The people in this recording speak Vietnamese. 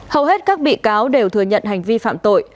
hầu hết các bị cáo đều thừa nhận hành vi phạm tội